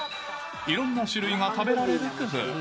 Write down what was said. いろんな種類が食べられる工夫。